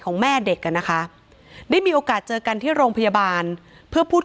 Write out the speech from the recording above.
แม่เด็กอ่ะนะคะได้มีโอกาสเจอกันที่โรงพยาบาลเพื่อพูดคุย